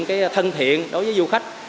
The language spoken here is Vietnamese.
thực hiện cái thân thiện đối với du khách